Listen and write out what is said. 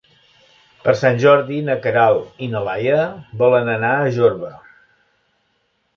Per Sant Jordi na Queralt i na Laia volen anar a Jorba.